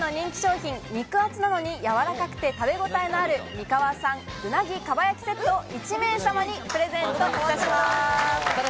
ポシュレの人気商品、肉厚なのにやわらかくて食べごたえのある「三河産鰻蒲焼セット」を１名様にプレゼントいたします。